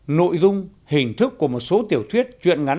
nội dung hình thức của một số tiểu thuyết chuyện ngắn